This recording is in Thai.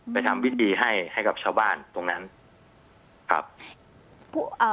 ทำพิธีให้ให้กับชาวบ้านตรงนั้นครับอ่า